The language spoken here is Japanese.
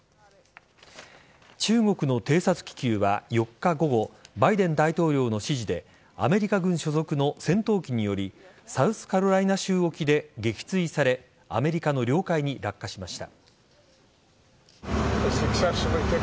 中国の偵察気球は４日午後バイデン大統領の指示でアメリカ軍所属の戦闘機によりサウスカロライナ州沖で撃墜されアメリカの領海に落下しました。